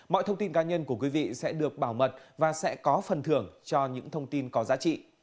mọi thông tin cá nhân của quý vị sẽ được bảo mật và sẽ có phần thưởng cho những thông tin có giá trị